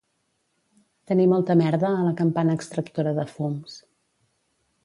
Tenir molta merda a la campana extractora de fums